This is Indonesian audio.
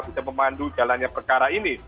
bisa memandu jalannya perkara ini